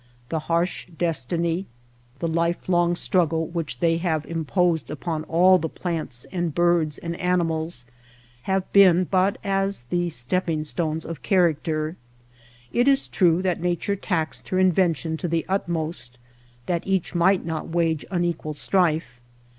The harsh destiny, the life long struggle which they have imposed upon all the plants and birds and animals have been but as the stepping stones of character. It is true that Nature taxed her invention to the utmost that each might not wage unequal strife.